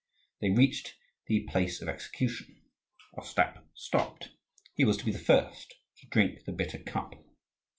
They reached the place of execution. Ostap stopped. He was to be the first to drink the bitter cup.